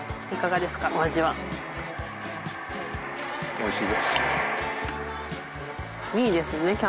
いいですね